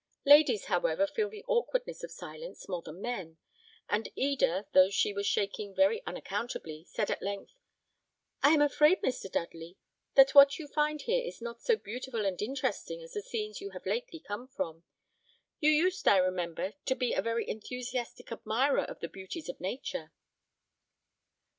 Ladies, however, feel the awkwardness of silence more than men; and Eda, though she was shaking very unaccountably, said at length, "I am afraid, Mr. Dudley, that what you find here is not so beautiful and interesting as the scenes you have lately come from. You used, I remember, to be a very enthusiastic admirer of the beauties of nature."